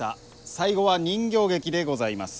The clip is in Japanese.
最後は人形劇でございます。